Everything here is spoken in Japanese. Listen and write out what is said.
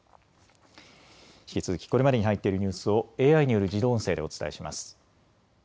引き続きこれまでに入っているニュースをＡＩによる自動音声でお伝えします。